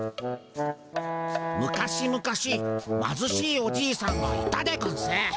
昔々まずしいおじいさんがいたでゴンス。